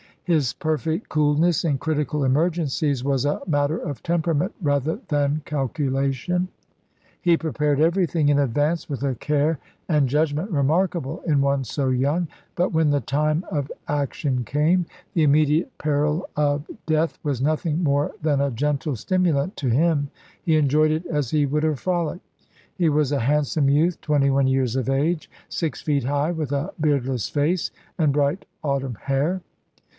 His perfect coolness in critical emergencies was a matter of temperament rather than calculation. He prepared everything in advance with a care and judgment remarkable in one so young; but when the time of action came, the immediate peril 46 ABRAHAM LINCOLN chap. ii. of death was nothing more than a gentle stimulant to him ; he enjoyed it as he would a frolic. He was a handsome youth, 21 years of age ; six feet high ; with a beardless face and bright auburn hair.